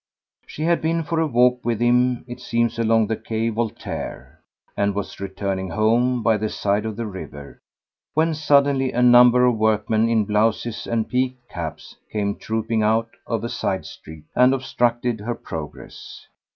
She had been for a walk with him, it seems, along the Quai Voltaire, and was returning home by the side of the river, when suddenly a number of workmen in blouses and peaked caps came trooping out of a side street and obstructed her progress.